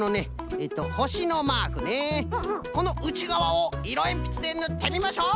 えっとほしのマークねこのうちがわをいろえんぴつでぬってみましょう！